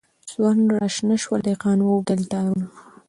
سونډ راشنه سول دهقان و اوبدل تارونه